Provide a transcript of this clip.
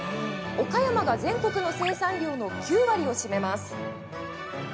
岡山が全国の生産量の９割を占めます。